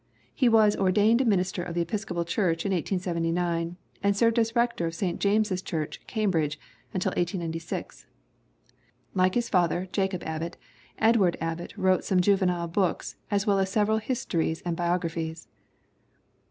He was ordained a minister of the Episcopal church in 1879 and served as rector of St. James's Church, Cambridge, until 1896. Like his father, Jacob Abbott, Edward Abbott wrote some juvenile books as well as several histories and biographies.